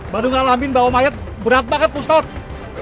baru ngalamin bawa mayat berat banget pustad